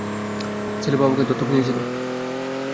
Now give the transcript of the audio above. ছেলে বাবাকে দত্তক নিয়েছিল।